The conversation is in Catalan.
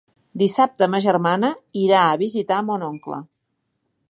Dissabte ma germana irà a visitar mon oncle.